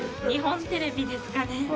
日本テレビですかね。